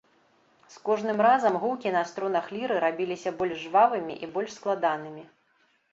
З кожным разам гукі на струнах ліры рабіліся больш жвавымі і больш складанымі.